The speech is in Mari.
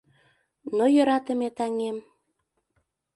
Но йӧратыме таҥем